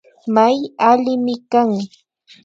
May allimi kan